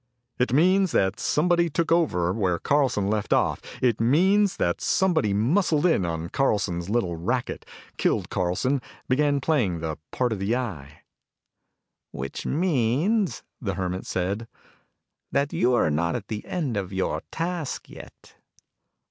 It means that somebody took over where Carlson left off. It means that somebody muscled in on Carlson's little racket, killed Carlson, began playing the part of the Eye." "Which means," the Hermit said, "that you're not at the end of your task yet."